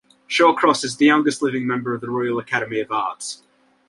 Shawcross is the youngest living member of the Royal Academy of Arts.